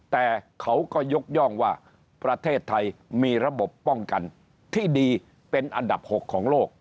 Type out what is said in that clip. แต่เขาก็ยกย่องว่าประเทศไทยมีระบบป้องกันที่ดีเป็นอันดับ๖ของโลก